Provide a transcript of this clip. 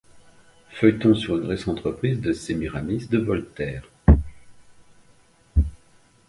Feuilleton sur une récente reprise de Sémiramis de Voltaire.